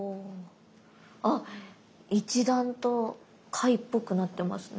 あっ一段と貝っぽくなってますね。